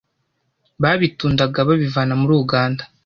babitundaga babivana muri Uganda